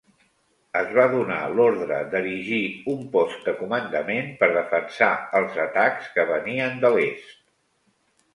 Es va donar l'ordre d'erigir un post de comandament per defensar els atacs que venien de l'est.